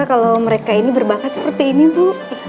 kalau mereka ini berbakat seperti ini bu